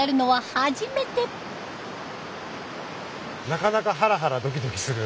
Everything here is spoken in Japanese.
なかなかハラハラドキドキする。